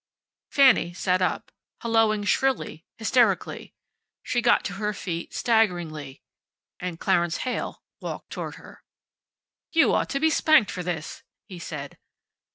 Fanny sat up, helloing shrilly, hysterically. She got to her feet, staggeringly. And Clarence Heyl walked toward her. "You ought to be spanked for this," he said.